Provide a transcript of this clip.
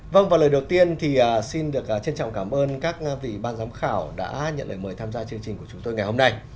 vâng và lời đầu tiên thì xin được trân trọng cảm ơn các vị ban giám khảo đã nhận lời mời tham gia chương trình của chúng tôi ngày hôm nay